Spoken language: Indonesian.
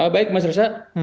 baik mas resa